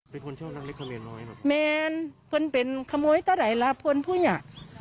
เป็นคนช่องนักนี้พอเนียน้อยน่ะเป็นขโมยเต้าไหร่ระพันธุ์อย่าง